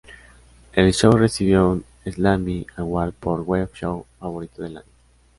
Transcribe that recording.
El show recibió un Slammy Award por Web Show Favorito del Año.